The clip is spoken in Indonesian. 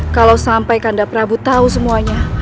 kalau sampai kanda prabu tahu semuanya